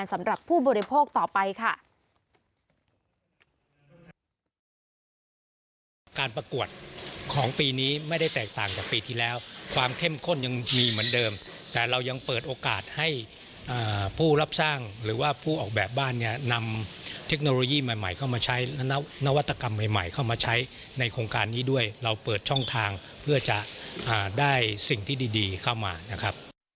สำหรับประหยัดพลังงานสำหรับผู้บริโภคต่อไปค่ะ